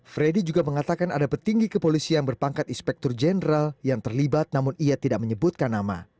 freddy juga mengatakan ada petinggi kepolisian berpangkat inspektur jenderal yang terlibat namun ia tidak menyebutkan nama